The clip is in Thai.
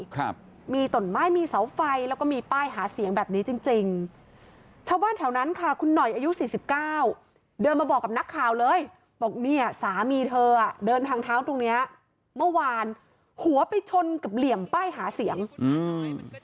ครับมีตนไม้มีเสาไฟแล้วก็มีป้ายหาเสียงแบบนี้จริงจริงชาวบ้านแถวนั้นค่ะคุณหน่อยอายุสี่สิบเก้าเดินมาบอกกับนักข่าวเลยบอกเนี่ยสามีเธออ่ะเดินทางเท้าตรงเนี้ยเมื่อวานหัวไปชนกับเหลี่ยมป้ายหาเสียงอืม